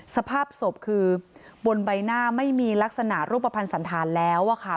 สภาพศพคือบนใบหน้าไม่มีลักษณะรูปภัณฑ์สันธารแล้วอะค่ะ